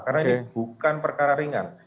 karena ini bukan perkara ringan